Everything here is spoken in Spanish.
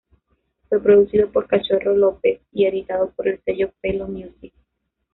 Fue producido por Cachorro López y editado por el sello Pelo Music.